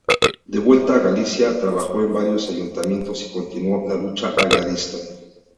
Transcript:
De vuelta a Galicia, trabajó en varios ayuntamientos y continuó la lucha agrarista.